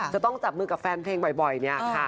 จะต้องจับมือกับแฟนเพลงบ่อยเนี่ยค่ะ